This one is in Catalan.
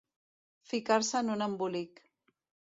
Ficar-se en un embolic.